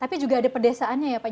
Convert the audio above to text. tapi juga ada pedesaannya ya pak